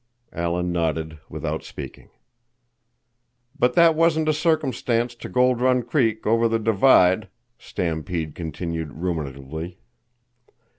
Alan nodded without speaking. "But that wasn't a circumstance to Gold Run Creek, over the Divide," Stampede continued ruminatively.